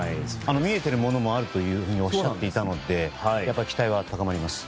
見えているものもあるとおっしゃっていたので期待は高まります。